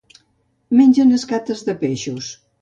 Mengen escates de peixos.